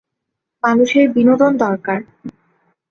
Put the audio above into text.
মানুষের বিনোদন দরকার।